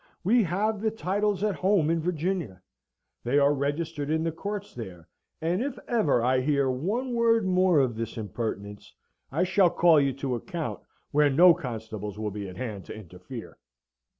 We have the titles at hone in Virginia. They are registered in the courts there; and if ever I hear one word more of this impertinence, I shall call you to account where no constables will be at hand to interfere!"